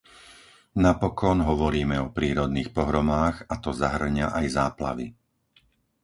Napokon, hovoríme o prírodných pohromách, a to zahŕňa aj záplavy.